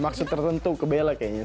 maksud tertentu kebela kayaknya